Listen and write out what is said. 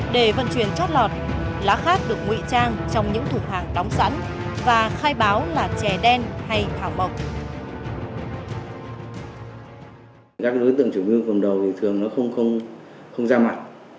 để vận chuyển chót lọt lá khát được ngụy trang trong những thủ hàng đóng sẵn và khai báo là chè đen hay thảo mộc